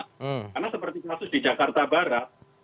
karena seperti kasus di jakarta barat